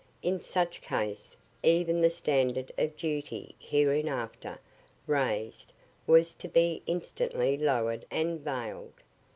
In such case, even the standard of duty hereinafter rais'd, was to be instantly lower'd and vail'd.